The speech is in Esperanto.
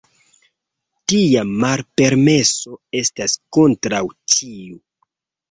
Tia malpermeso estas kontraŭ ĉiu.